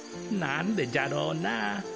なんでじゃろうな。